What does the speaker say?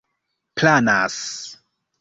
planas